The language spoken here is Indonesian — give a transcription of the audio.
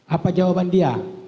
apa jawaban dia